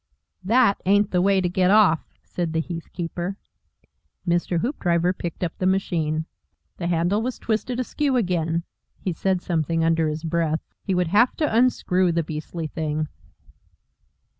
"THAT ain't the way to get off," said the heathkeeper. Mr. Hoopdriver picked up the machine. The handle was twisted askew again He said something under his breath. He would have to unscrew the beastly thing.